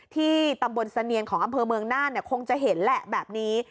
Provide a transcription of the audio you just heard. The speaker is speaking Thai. ที่ตำบลเสนียนของอำเภอเมืองน่านคงจะเห็นแหละแบบนี้